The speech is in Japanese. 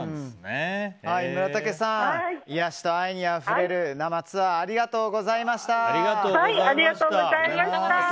村武さん癒やしと愛にあふれる生ツアーありがとうございました。